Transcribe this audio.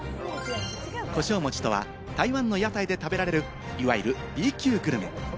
胡椒餅とは台湾の屋台で食べられる、いわゆるＢ級グルメ。